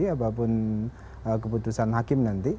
apapun keputusan hakim nanti